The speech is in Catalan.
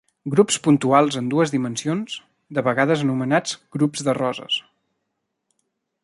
Grups puntuals en dues dimensions, de vegades anomenats grups de roses.